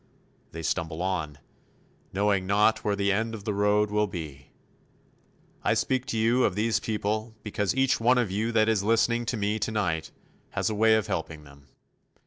They stumble on, knowing not where the end of the road will be. I speak to you of these people because each one of you that is listening to me tonight has a way of helping them.